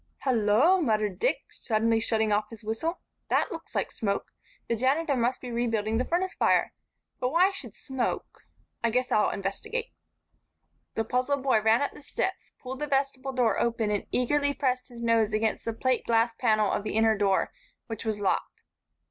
"Hello!" muttered Dick, suddenly shutting off his whistle. "That looks like smoke. The janitor must be rebuilding the furnace fire. But why should smoke I guess I'll investigate." The puzzled boy ran up the steps, pulled the vestibule door open and eagerly pressed his nose against the plate glass panel of the inner door, which was locked.